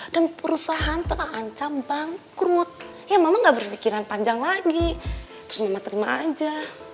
dan perusahaan telah ancam bangkrut ya mama gak berpikiran panjang lagi terus mama terima aja